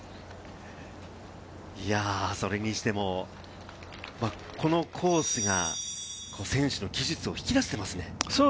それにしても、このコースが選手の技術を引き出していますね。